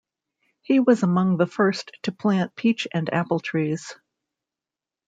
He was among the first to plant peach and apple trees.